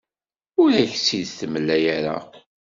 Ur ak-tt-id-temla ara.